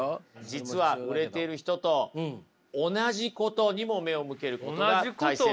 実は売れている人と同じことにも目を向けることが大切なんです。